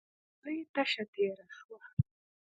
ګولۍ تشه تېره شوه.